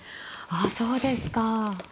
あそうですか。